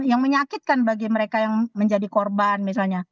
yang menyakitkan bagi mereka yang menjadi korban misalnya